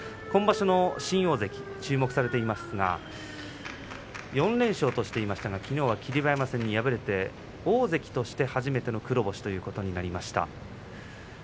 今場所の新大関注目されていますが４連勝としていましたがきのうは霧馬山戦で敗れて大関として初めての黒星ということになりました。